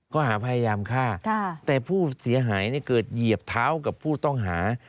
ข้อหาพยายามฆ่าแต่ผู้เสียหายเกิดเหยียบเท้ากับผู้ต้องหา